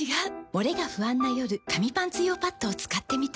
モレが不安な夜紙パンツ用パッドを使ってみた。